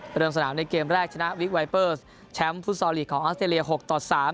เริ่มสนามในเกมแรกชนะวิกไวเปอร์สแชมป์ฟุตซอลลีกของออสเตรเลีย๖ต่อ๓